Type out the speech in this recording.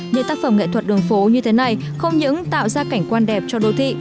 những tác phẩm nghệ thuật đường phố như thế này không những tạo ra cảnh quan đẹp cho đô thị